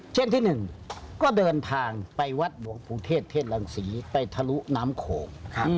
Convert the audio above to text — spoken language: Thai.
เช่นที่๑ก็เดินทางไปวัดหลวงภูเทศเทศรังศรีไปทะลุน้ำโขง